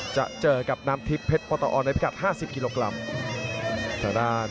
จะเจอกับน้ำทิพย์เพชรปตอในพิกัด๕๐กิโลกรัม